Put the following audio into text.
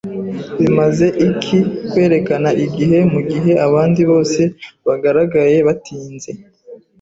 Bimaze iki kwerekana igihe mugihe abandi bose bagaragaye batinze?